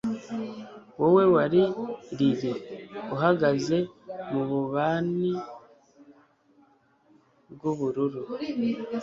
Wowe wari lili uhagaze mububani bwubururu